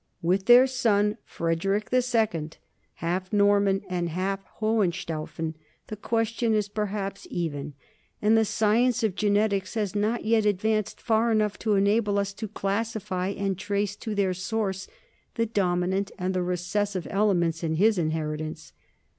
With their son Frederick II, half Norman and half Hohenstaufen, the question is perhaps even, and the science of genetics has not yet advanced far enough to enable us to classify and trace to their source the dominant and the recessive elements in his inheritance.